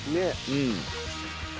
うん。